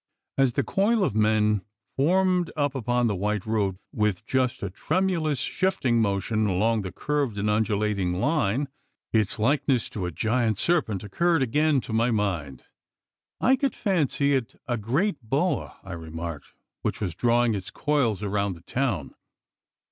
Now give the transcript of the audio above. As the coil of men formed up upon the white road, with just a tremulous shifting motion along the curved and undulating line, its likeness to a giant serpent occurred again to my mind. 'I could fancy it a great boa,' I remarked, 'which was drawing its coils round the town.